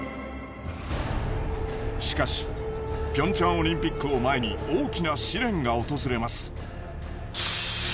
しかしピョンチャンオリンピックを前に大きな試練が訪れます。